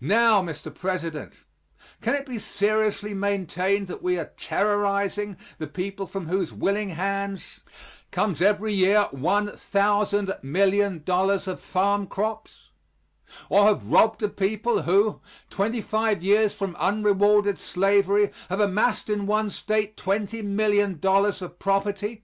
Now, Mr. President, can it be seriously maintained that we are terrorizing the people from whose willing hands comes every year $1,000,000,000 of farm crops? Or have robbed a people who, twenty five years from unrewarded slavery, have amassed in one State $20,000,000 of property?